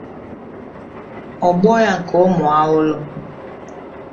ògbò ya nke Ụmụawụlụ